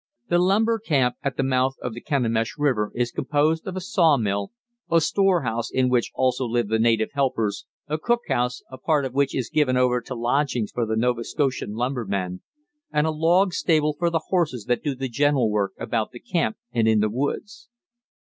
The lumber camp at the mouth of the Kenemish River is composed of a saw mill, a storehouse in which also live the native helpers, a cookhouse, a part of which is given over to lodgings for the Nova Scotian lumbermen, and a log stable for the horses that do the general work about the camp and in the woods.